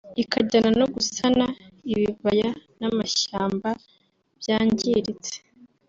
ikajyana no gusana ibibaya n’amashyamba byangiritse